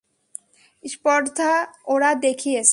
স্পর্ধা ওরা দেখিয়েছে।